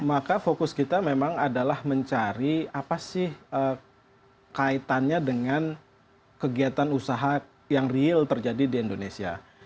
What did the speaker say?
maka fokus kita memang adalah mencari apa sih kaitannya dengan kegiatan usaha yang real terjadi di indonesia